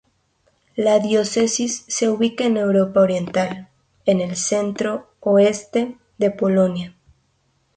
La diócesis se ubica en Europa Oriental, en el centro-oeste de Polonia.